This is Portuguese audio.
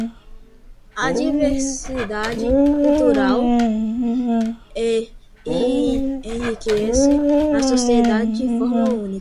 A diversidade cultural enriquece a sociedade de forma única.